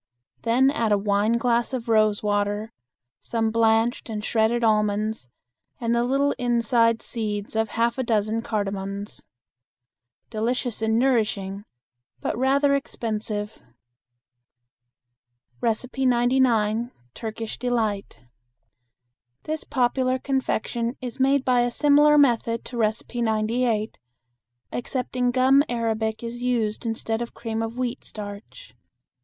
Then add a wineglass of rose water, some blanched and shredded almonds and the little inside seeds of half a dozen cardamons. Delicious and nourishing, but rather expensive. 99. Turkish Delight. This popular confection is made by a similar method to No. 98, excepting gum arabic is used instead of cream of wheat starch.